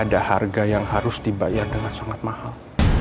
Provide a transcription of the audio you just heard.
ada harga yang harus dibayar dengan sangat mahal